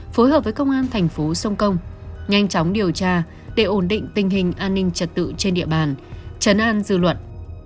phối hợp với công an thành phố sông công nhanh chóng điều tra để ổn định tình hình an ninh trật tự trên địa bàn chấn an dư luận